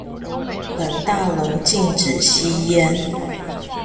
本大樓禁止吸煙